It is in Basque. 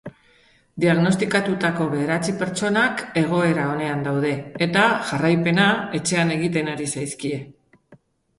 Diagnostikatutako bederatzi pertsonak egoeran onean daude, eta jarraipena etxean egiten ari zaizkie.